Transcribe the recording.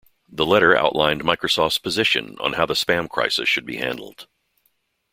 The letter outlined Microsoft's position on how the spam crisis should be handled.